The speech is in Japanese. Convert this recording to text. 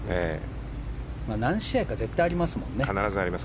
何試合か絶対ありますからね。